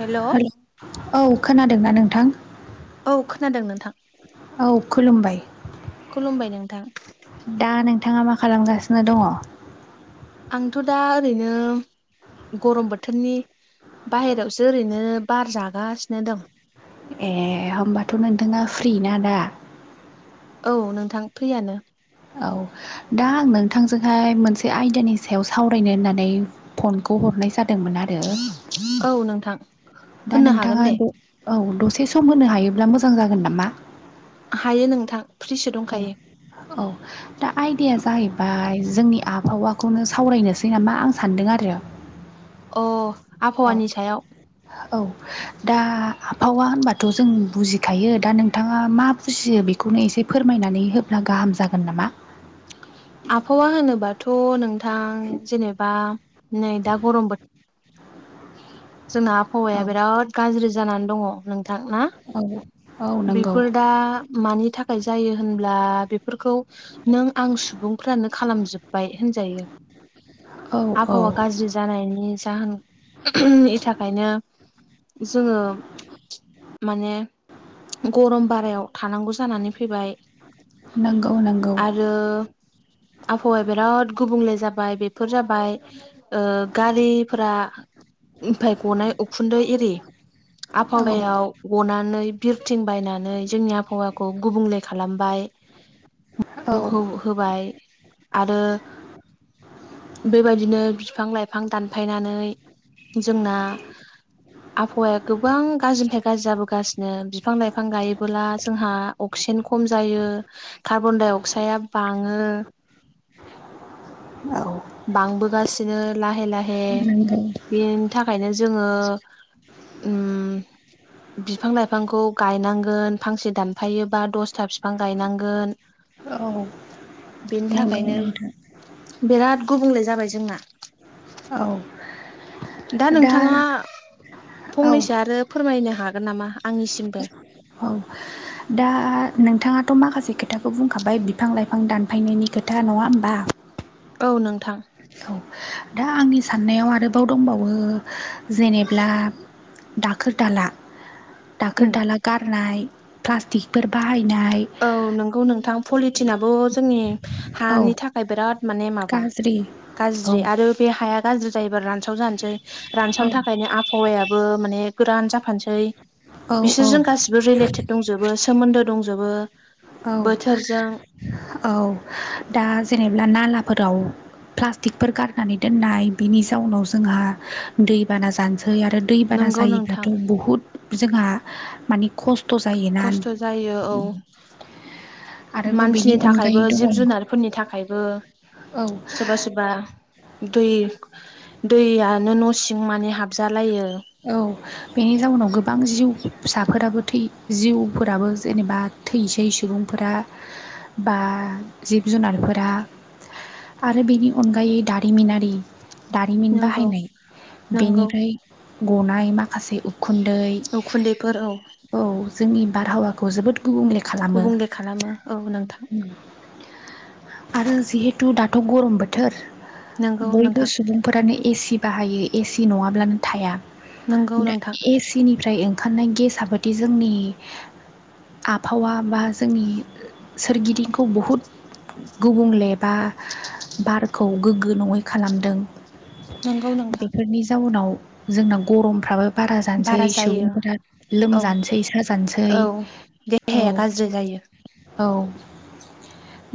हेल' औ खोनादोंना नोंथां? औ खोनादों नोंथां। औ खुलुमबाय। खुलुमबाय नोंथां। दा नोंथाङा मा खालामगासिनो दङ? आंथ' दा ओरैनो गरम बोथोरनि बाहेरायावसो ओरैनो बार जागासिनो दं। ए होमबाथ' नोंथाङा फ्रिना दा? औ नोंथां फ्रियानो। औ। दा आं नोंथांजोंहाय मोनसे आयदानि सायाव सावरायनो होननानै फनखौ हरनाय जा मोन आरो औ नोंथां दा होननो हागोन नोंथाङा दे औ दसे सम होनो हायोब्ला मोजां जागोन नामा। हायो नोंथां फ्रिसो औ दंखायो। औ दा आयदाया जाहैबाय जोंनि आबहावाखौनो सावरायनोसै नामा आं सानदों आरो अ औ आबहावानि सायाव औ दा आबहावा होनबाथ' जों बुजिखायो दा नोंथाङा मा बुजियो बे खौनो एसे फोरमायनानै होब्ला गाहाम जागोन नामा। आबहावा होनोबाथ' नोंथां जेनेबा नै दा गरम बो जोंना आबहावाया औ बिराद गाज्रि जानानै दङ नोंथां ना? औ औ नंगौ बेफोर दा मानि थाखाय जायो होनब्ला बेफोरखौ नों आं सुबुं फोरानो खालामजोबबाय होनजायो औ औ आबहावा गाज्रि जानायनि जाहोन [unintelligible] नि थाखायनो जोङो माने गरम बारायाव थानांगौ जानानै फैबाय नोंगौ नोंगौ आरो आबहावाया बिराद गुबुंले जाबाय बे फोर जाबाय ओ गारिफोरा ओमफाय गनाय उखुन्दै एरि औ आबहावायाव गनानै बिरथिं बायनानै जोंनि आबहावाखौ गुबुंले खालामबाय औ होबाय आरो बेबायदिनो बिफां लाइफां दानफायनानै जोंना आबहावाया गोबां गाज्रिनिफ्राय गाज्रि जाबोगासिनो नो बिफां लाइफां गायोबोला जोंहा अक्सिजेन खम जायो कार्बन दडाइ अक्साइडआ बाङो औ बांबोगासिनो लाहे लाहे नंगौ बेनि थाखायनो जोङो उम बिफां लाइफांखौ गायनांगोन फांसे दानफायोबा दसथा बिफां गायनांगोन औ बेनि नंगौ थाखायनो नोंथां बिराद गुबुंले जाबाय जोंना औ दा नोंथाङा औ फंनैसो आरो फोरमायनो हागोन नामा आंनिसिमबो औ दा नोंथाङाथ' माखासे खोथाखौ बुंखाबाय बिफां लाइफां दानफायनायनि खोथा नङा होमबा? औ नोंथां। औ दा आंनि साननायाव आरोबाव दंबावो जेनेब्ला दाखोर दाला दाखोर उम दाला गारनाय प्लास्टिकफोर बाहायनाय औ नंगौ नोंथां पलिटिनाबो जोंनि औ हानि थाखाय बिराद माने माबा गाज्रि औ गाज्रि आरो बे हाया गाज्रि जायोबा रानसावजानोसै औ रानसावनो थाखायनो हौवायाबो माने गोरान जाफानोसै बिसोर औ जों गासिबो रिलेटेद दं जोबो सोमोन्दो दंजोबो औ बोथोरजों औ दा जेनेब्ला नालाफोराव प्लास्टिकफोर गारनानै दोननाय बिनि जाउनाव जोंहा दैबाना जानो सै आरो दै बाना नंगौ नोंथां जायोब्लाथ' बुहुद जोंहा मानि खस्थ' थ'जायोना खस्थ' जायो औ मानसिनि थाखायबो जिब जुनारफोरनि थाखायबो औ सोरबा सोरबा दै दैयानो न' सिं मानि हाबोन औ बेनि जाउनाव गोबां जिउ फिसाफोराबो थै जिउफोराबो जेनेबा थैसै सुबुंफोरा बा जिब जुनारफोरा आरो बेनि अनगायै दारिमिनारि दारिमिन नंगौ बाहायनाय बेनि नंगौ बे गनाय माखासे उखुन्दै औ जोंनि बारहावाखौ जोबोद गुबुंले खालामो गुबुंले खालामो औ नोंथां आरो जिहेथु दाथ' गरम बोथोर नंगौ बयबो नोंथां सुबुं फोरानो एसि बाहायो एसि नङाब्लानो थाया नंगौ दम नोंथां ए सिनिफ्राय ओंखारनाय गेस आ बाददि जोंनि आबहावा बा जोंनि सोरगिदिंखौ बहुद गुबुंलेबा बारखौ गोग्गो नङै खालामदों नंगौ नोंथां बेफोरनि जाउनाव जोंना गरमफ्राबो बारा जानोसै सुबुंफोरा औ लोमजानोसै साजानोसै औ औ देहाया गाज्रि जायो औ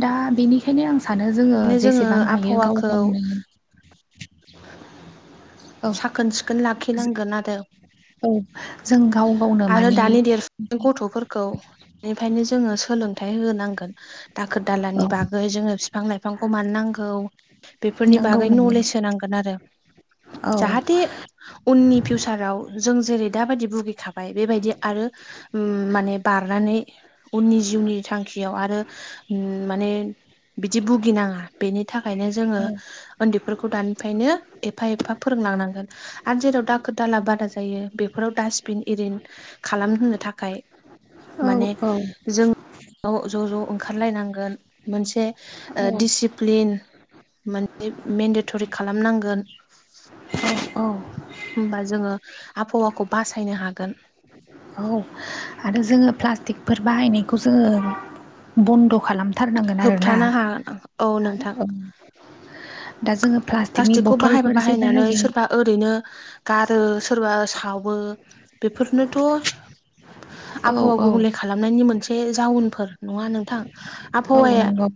दा बेनिख ओंखायनो आं सानो जोङो बिनो जेसेबां हायो गाव आबहावाखौ गावनो [inaudible] साखोन सिखोन लाखिनांगोन आरो औ जों गाव गावनो आरो मानि दानि देरफ गथ'फोरखौ बेनिफ्रायनो जोङो सोलोंथाइ होनांगोन दाखोर औ दालानि बागै जोङो बिफां लाइफांखौ मानो नांगौ बेफोरनि नंगौ बागै नंगौ नलेज होनांगोन आरो औ जाहाथे उननि फिउसाराव जों जेरै दाबायदि भुगिखाबाय बेबायदि आरो माने बारनानै उननि जिउनि थांखियाव आरो माने बिदि भुगिनाङा बेनि थाखायनो जोङो औ उन्दैफोरखौ दानिफ्रायनो एफा एफा एफा फोरोंलांनांगोन आरो जेराव दाखोर दाला बादा जायो बेफोराव डास्टबिन एरिन खालामनो थाखाय औ माने औ जों ज' ज' ओंखारलायनांगोन मोनसे औ दिडसिप्लिन माने मेन्डेटरि खालामनांगोन औ औ होमबा जोङो आबहावाखौ बासायनो हागोन औ आरो जोङो प्लास्टिकफोर बाहायनायखौ जोङो बन्द' खालाम थारनांगोन आरोना होबथानो हागोन औ नोंथां औ दा जोङो प्लास्टिकनि प्लास्टिकखौ बाहायबा बथलफोरसो बाहायनानै बाहायो सोरबा ओरैनो गारो सोरबा सावो बेफोरनोथ' औ आबहावा औ गुबुंले खालामनायनि मोनसे जाउनफोर नङा नोंथां औ आबहावाया नंगौ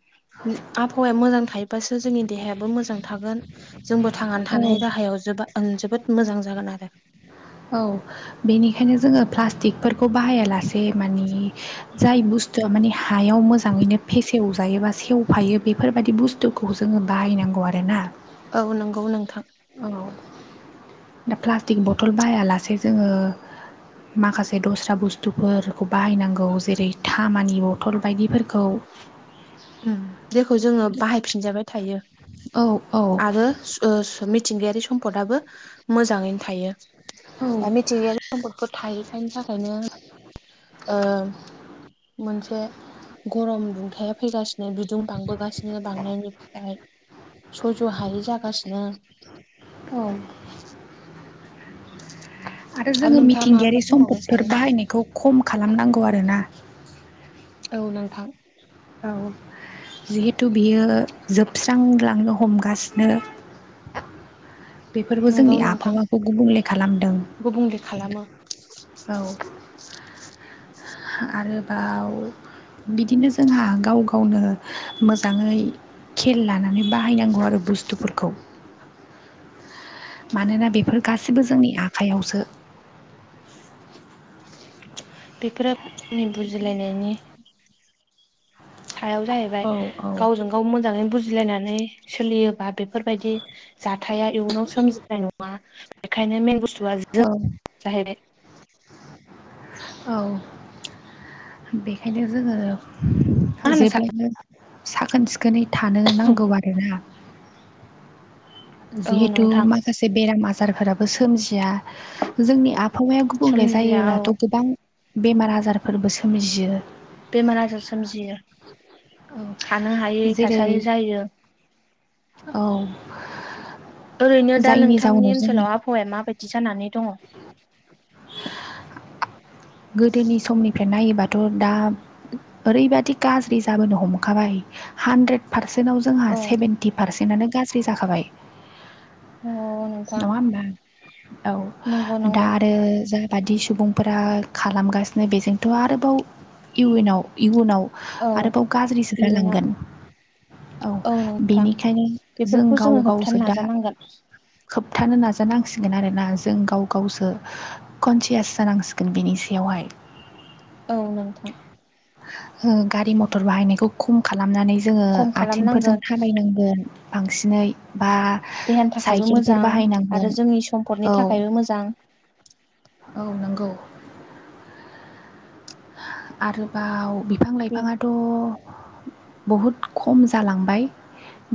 आबहावाया मोजां थायोबासो जोंनि देहायाबो मोजां थागोन जोंबो थांनानै औ थानाय राहायाव जोबा जोबोद मोजां जागोन आरो औ बेनिखायनो जोङो प्लास्टिक खौ बाहाया लासे मानि जाय बुस्थुआ मानि हायाव मोजाङैनो फेसेवजायोबो सेवफायो बेफोरबायदि बुस्थुखौ जोङो बाहायनांगौ आरो ना औ नंगौ नोंथां औ दा प्लास्टिक बथल बायालासे जोङो माखासे दस्रा बुस्थुफोरखौ बाहायनांगौ जेरै थामानि बथल बायदिफोरखौ जेखौ जोङो बाहायफिनजाबाय थायो औ औ आरो मिथिंगायारि सम्पदआो मोजाङैनो थायो द औ मिथिंगायारि नम्बखौ थायोखायनि थाखायनो ओ मोनसे गरम दुंथाया फैगासिनो बिदुं बांबोगासिनो बांनायनिफ्राय सयज' हायै जागासिनो उम [inaudible] आरो जोङो नोंथाङा मिथिंगायारि माबाफोर बुंबावनो सम्पदफोर सानो बाहायनायखौ खम खालामनांगौ आरोना औ नोंथां औ जिहेथु बियो जोबस्रांलांनो हमगासिनो बेफोरबो नंगौ जोंनि नोंथां आबहावाखौ गुबुंले खालामदों गुबुंले खालामो औ आरोबाव बिदिनो जोंहा गाव गावनो मोजाङै खेल लानानै बाहायनांगौ आरो बुस्थुफोरखौ मानोना बेफोर गासैबो जोंनि आखयावसो बेफोरो गावनि बुजिलायनायनि सायाव जाहैबाय औ औ गावजों गाव गाव मोजाङै बुजिलायनानै सोलियोबा बेफोरबायदि जाथाया इयुनाव सोमजिनाय नङा बेखायनो मेन बुस्थुआ जो औ-औ बेखायनो मा जोङो होनो सा जेब्लबो साखोन सिखोनै थानो नांगौ आरोना औ जिहेथु नोंथां माखासे बेराम आजारफोराबो सोमजिया जोंनि आबहावाया गुबुंले सोमजिया औ जायोब्लाथ' गोबां बेमार आजारफोरबो सोमजियो बेमार आजार सोमजियो औ थानो हायै जेरै थासारि जायो औ ओरैनो दा जायनि नोंथांनि जाउनाव जोंना ओनसोलाव आबहावाया माबायदि जानानै दङ गोदोनि समनिफ्राय नायोबाथ' दा ओरैबादि गाज्रि जाबोनो हमखाबाय हानद्रेद पारसेन्टाव जोंहा औ सेभेन्टि पारसेन्टआनो गाज्रि जाखाबाय औ नोंथां नङा होमबा नंगौ औ दा नंगौ आरो जा बादि सुबुंफोरा खालामगासिनो बेजोंथ' आरोबाव इउनाव इउनाव औ आरोबाव गाज्रिसो इयुनाव जालांगोन औ बेनिखायनो जों बेफोरखौ जोङो गाव होबथानो गावसो दा नाजानांगोन खोबथानो नाजानांसिगोन आरोना जों गाव गावसो कनसियास जानांसिगोन बिनि सायावहाय औ नोंथां गारि मथर बाहायनायखौ खम खालामनानै जोङो खम आथिंफोरजों खालामनांगोन थाबायनांगोन बांसिनै बा देहानि थाखायबो साइकेलफोर मोजां बाहायनांगोन आरो जोंनि सम्फदनि औ थाखायबो मोजां औ नंगौ आरोबाव बिफां लाइफाङाथ' बहुद खम जालांबाय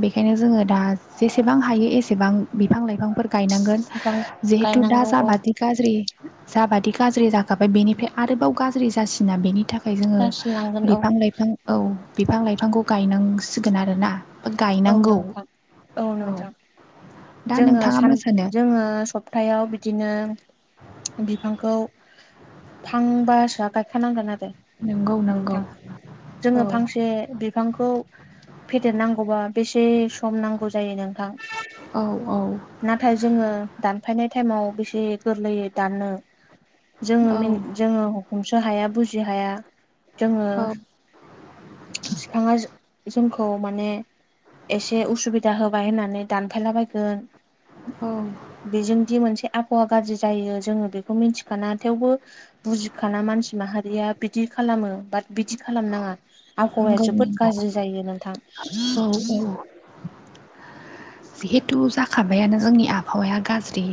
बेखायनो जोङो दा जेसेबां हायो एसेबां बिफां लाइफांफोरखौ गायनांगोन बिफां जिहेतु दा गायनांगौ औ जाबादि गाज्रि जाबादि गाज्रि जाखाबाय बेनिफ्राय आरोबाव गाज्रि जासिना बेनि थाखाय ओमफ्राय जोङो जासिनलांगोन औ बिफां लाइफां औ बिफां लाइफांखौ गायनांसिगोन आरोना औ गायनांगौ नोंथां औ दा जोङो नोंथाङा मा सान सानो? जोङो सप्थायायाव बिदिनो बिफांखौ थांबासोआ गायखानांगोन आरो नोंगौ नंगौ नोंथां औ जोङो फांसे बिफांखौ फेदेरनांगौबा बेसे सम नांगौ जायो नोंथां औ-औ नाथाय जोङो दानफायनाय टाइमाव बेसे गोरलैयै दाननो औ जोङो जोङो हमसो हाया बुजि हाया जोङो औ बिफाङा जोंखौ माने एसे उसुबिदा होबाय होननानै दानफायलाबायगोन औ बेजोंदि मोनसे आबहावा गाज्रि जायो जोङो बेखौ मिथिखाना थेवबो बुजिखाना मानसि माहारिया बिदि खालामो बाट बिदि खालामनाङा आबहावाया नंगौ जोबोद नंगौ गाज्रि जायो नोंथां औ औ जिहेथु जाखाबायानो जोंनि आबहावाया गाज्रि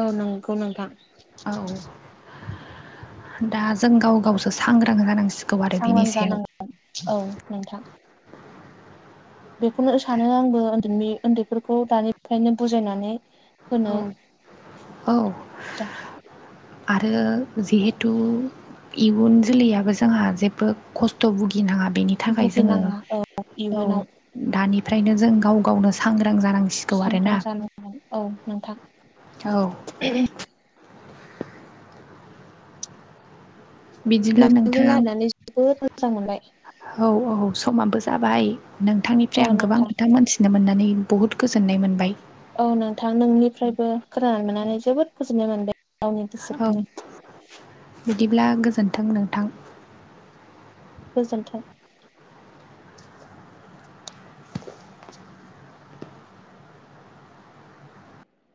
औ नंगौ नोंथां औ दा जों गाव गावसो सांग्रां जानांसिगोन सांग्रां जानांगोन औ नोंथां बेखौनो सानो आंबो उन्दैनि उन्दैफोरखौ दानिफ्रायनो बुजायनानै होनो औ औ जा आरो जिहेथु इयुन जोलैयाबो जोंहा जेबो खस्थ' भुगिनाङा बेनि थाखाय जोङो भुगिनाङा औ औ इयुनाव दानिफ्रायनो जों गाव गावनो सांग्रां जानांग सांग्रां जानांगोन औ नोंथां औ [unintelligible] बिदिब्ला नोंसोरजों नोंथां लानानै जोबोद मोजां मोनबाय औ औ समाबो जाबाय औ नोंथांनिफ्राय आं गोबां नोंथां खोथा मोन थि मोननानै बहुद गोजोननाय मोनबाय औ नोंथां नोंनिफ्रायबो खोनानानै मोननानै जोबोद गोुजोननाय मोनदों गावनि औ गोसोखौनो बिदिब्ला गोजोन्थों नोंथां गोजोन्थों